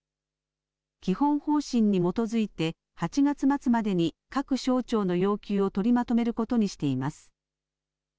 基本方針に基づいて、８月末までに、各省庁の要求を取りまとめることにしています。